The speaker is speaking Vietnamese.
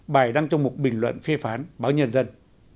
bài đăng trong một bình luận phê phán báo nhân dân